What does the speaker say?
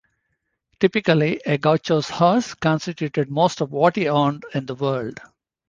Typically, a gaucho's horse constituted most of what he owned in the world.